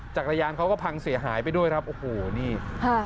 จักรยานเขาก็พังเสียหายไปด้วยครับโอ้โหนี่ค่ะ